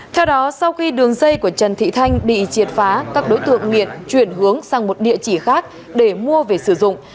theo đó sau khi đường dây của trần thị thanh bị triệt phá các đối tượng nghiện chuyển hướng sang một địa chỉ khác để mua về sử dụng